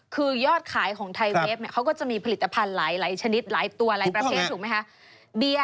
คือยอดขายของไทยเวฟเขาก็จะมีผลิตภัณฑ์หลายชนิดหลายตัวหลายประเภทถูกไหมคะ